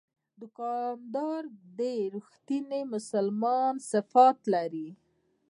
دوکاندار د رښتیني مسلمان صفات لري.